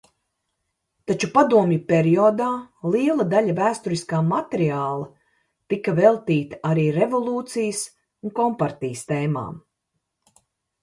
Taču padomju periodā liela daļa vēsturiskā materiāla tika veltīta arī revolūcijas un kompartijas tēmām.